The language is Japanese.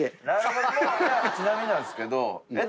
ちなみになんですけど。